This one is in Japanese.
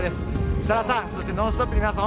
設楽さん「ノンストップ！」の皆さん